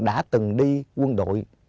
đã từng đi quân đội